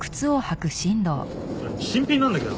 それ新品なんだけど！